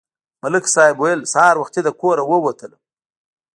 ملک صاحب ویل: سهار وختي له کوره ووتلم.